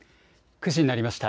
９時になりました。